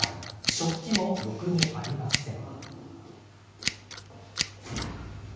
食器も、ろくにありません。